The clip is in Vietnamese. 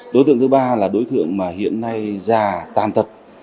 đối tượng thứ ba là đối tượng mà hiện nay già tàn tật